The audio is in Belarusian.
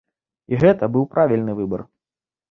І гэта быў правільны выбар.